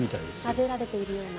なでられているような。